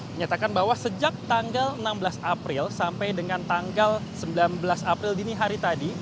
menyatakan bahwa sejak tanggal enam belas april sampai dengan tanggal sembilan belas april dini hari tadi